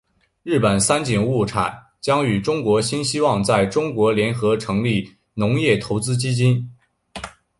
日本三井物产将与中国新希望在中国联合成立农业投资基金。